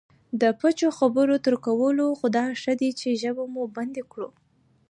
د پوچو خبرو تر کولو خو دا ښه دی چې ژبه مو بندي کړو